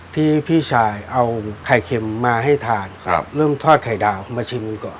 พี่ชายเอาไข่เค็มมาให้ทานครับเริ่มทอดไข่ดาวมาชิมกันก่อน